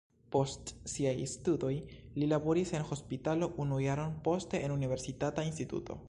Post siaj studoj li laboris en hospitalo unu jaron, poste en universitata instituto.